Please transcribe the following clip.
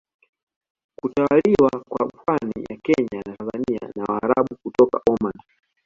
Kutawaliwa kwa pwani ya Kenya na Tanzania na Waarabu kutoka Omani